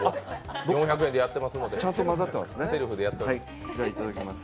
４００円でやっていますので、セルフでやっています。